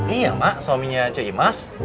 iya mak suaminya aja imas